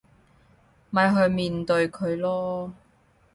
咪去面對佢囉